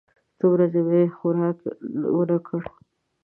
څو ورځې مې خوراک ونه کړ.